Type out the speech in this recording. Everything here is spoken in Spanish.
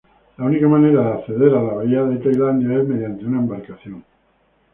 La única manera de acceder a la bahía de Tailandia es mediante una embarcación.